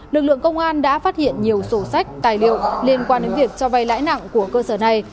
lực lượng công an đã phát hiện nhiều sổ sách tài liệu liên quan đến việc cho vay lãi nặng của cơ sở này